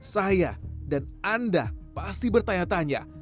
saya dan anda pasti bertanya tanya